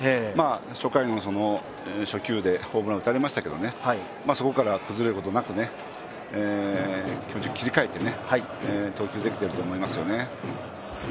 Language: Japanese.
初回には初球でホームランを打たれましたけどそこから崩れることなく、気持ちを切り替えて投球できてると思いますよね。